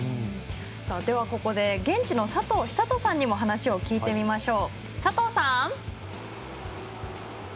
では、ここで現地の佐藤寿人さんにも話を聞いてみましょう。